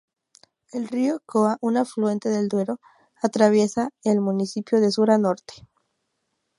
El río Côa, un afluente del Duero, atraviesa el municipio de sur a norte.